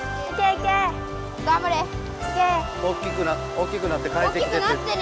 大きくなって帰ってきてって。